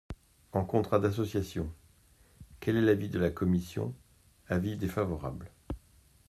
En contrat d’association ! Quel est l’avis de la commission ? Avis défavorable.